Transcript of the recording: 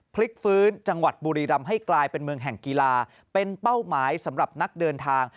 พลิกฟื้นจังหวัดบุรีรำให้กลายเป็นเมืองแห่งกีฬาเป็นเป้าหมายสำหรับนักเดินทาง